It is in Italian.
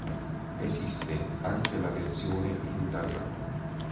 Esiste anche la versione in italiano.